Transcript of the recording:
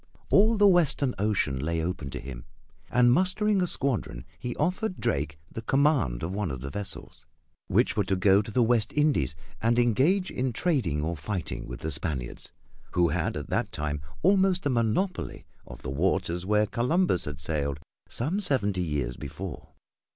All the western ocean lay open to him, and mustering a squadron he offered Drake the command of one of the vessels, which were to go to the West Indies and engage in trading or fighting with the Spaniards, who had at that time almost a monopoly of the waters where Columbus had sailed some seventy years before.